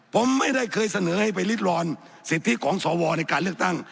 ผมไม่ได้เคยเสนอให้ไปริดรอนสิทธิของสวในการเลือกตั้ง